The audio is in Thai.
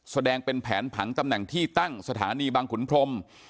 แสดงเป็นแผนผังตำแหน่งที่ตั้งสถานีบางขุนพรม